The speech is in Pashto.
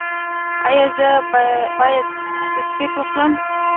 ایا زه باید بسکټ وخورم؟